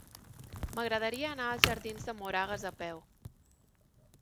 M'agradaria anar als jardins de Moragas a peu.